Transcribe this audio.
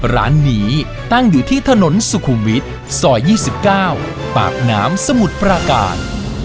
ร้านนี้ตั้งอยู่ที่ถนนสุขุมวิทย์ซอย๒๙ปากน้ำสมุทรปราการ